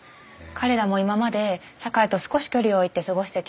彼らも今まで社会と少し距離を置いて過ごしてきたんです。